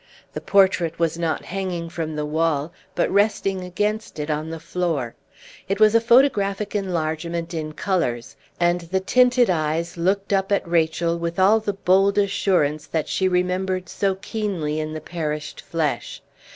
The portrait was not hanging from the wall, but resting against it on the floor. It was a photographic enlargement in colors, and the tinted eyes looked up at Rachel with all the bold assurance that she remembered so keenly in the perished flesh.